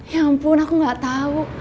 ya ampun aku nggak tahu